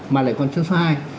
mà lại còn chọn con số hai